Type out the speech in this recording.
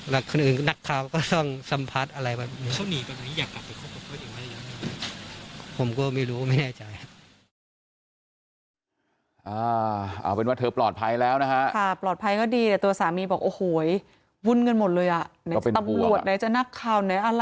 และคนอื่นนักข่าวก็ต้องสัมผัสอะไรแบบนี้